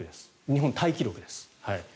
日本タイ記録です。